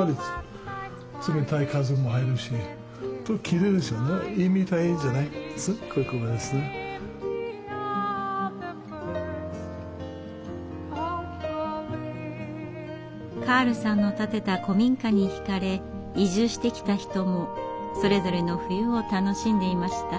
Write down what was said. これカールさんの建てた古民家に惹かれ移住してきた人もそれぞれの冬を楽しんでいました。